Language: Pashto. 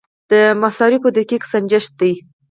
دا د مصارفو دقیق سنجش دی.